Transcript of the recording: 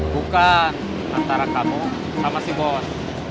bukan antara kamu sama si bos